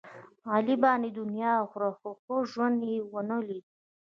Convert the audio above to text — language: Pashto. علي باندې دنیا وخوړله، خو ښه ژوند یې ونه لیدا.